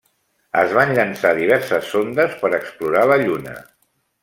Es van llançar diverses sondes per explorar la Lluna.